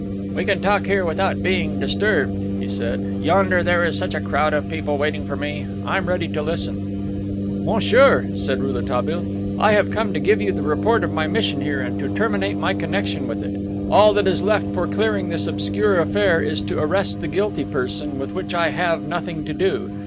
"We can talk here without being disturbed," he said. "Yonder there is such a crowd of people waiting for me. I'm ready to listen." "Monsieur," said Rouletabille, "I have come to give you the report of my mission here, and to terminate my connection with it. All that is left for clearing this obscure affair is to arrest the guilty person, with which I have nothing to do.